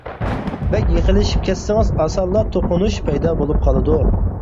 بەك يېقىنلىشىپ كەتسىڭىز ئاسانلا توقۇنۇش پەيدا بولۇپ قالىدۇ.